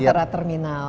ini antara terminal